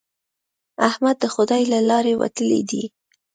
احمد د خدای له لارې وتلی دی.